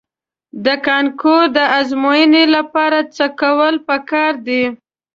د کانکور د ازموینې لپاره څه کول په کار دي؟